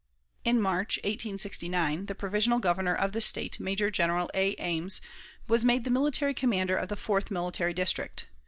In March, 1869, the provisional Governor of the State, Major General A. Ames, was made the military commander of the Fourth Military District.